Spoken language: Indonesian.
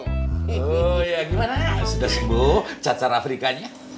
oh ya gimana sudah sembuh cacar afrikanya